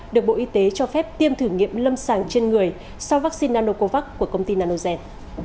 được bộ y tế cho phép tiêm thử nghiệm lâm sàng trên người sau vaccine nanocovax của công ty nanogen